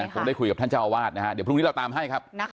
คงได้คุยกับท่านเจ้าอาวาสนะฮะเดี๋ยวพรุ่งนี้เราตามให้ครับ